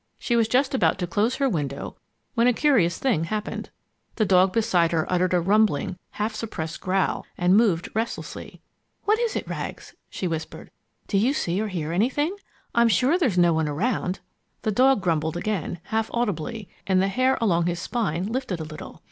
She was just about to close her window when a curious thing happened. The dog beside her uttered a rumbling, half suppressed growl and moved restlessly. "What is it, Rags?" she whispered. "Do you see or hear anything? I'm sure there's no one around." The dog grumbled again, half audibly, and the hair along his spine lifted a little.